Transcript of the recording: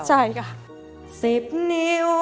ใช่ค่ะ